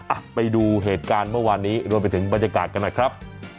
อ่ะไปดูเหตุการณ์เมื่อวานนี้รวมไปถึงบรรยากาศกันหน่อยครับ